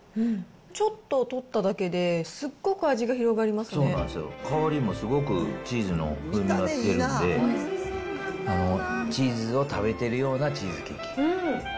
ちょっと取っただけで、そうなんですよ、香りもすごいチーズの風味が出てるんで、チーズを食べてるようなチーズケーキ。